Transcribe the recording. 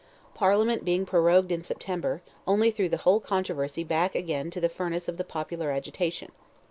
Parliament being prorogued in September, only threw the whole controversy back again into the furnace of popular agitation.